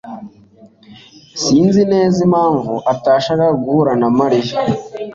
Sinzi neza impamvu atashakaga guhura na Mariya.